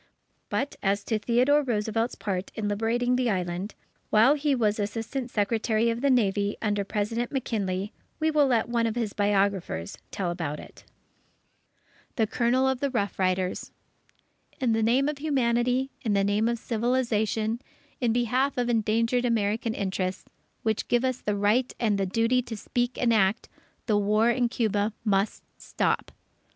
But as to Theodore Roosevelt's part in liberating the Island, while he was Assistant Secretary of the Navy under President McKinley, we will let one of his biographers tell about it: THE COLONEL OF THE ROUGH RIDERS _In the name of humanity, in the name of civilization, in behalf of endangered American interests, which give us the right and the duty to speak and act, the war in Cuba must stop.